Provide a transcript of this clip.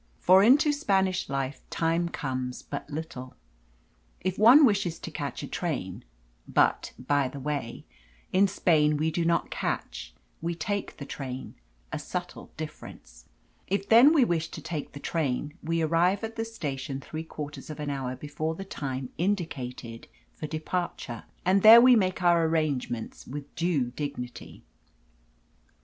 For into Spanish life time comes but little. If one wishes to catch a train but, by the way, in Spain we do not catch, we take the train a subtle difference if then we wish to take the train, we arrive at the station three quarters of an hour before the time indicated for departure, and there we make our arrangements with due dignity.